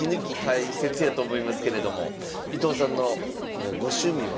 大切やと思いますけれども伊藤さんのご趣味は何なんでしょうか？